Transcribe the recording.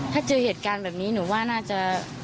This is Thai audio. ถ้าเจอเหตุการณ์แบบนี้หนูว่าน่าจะ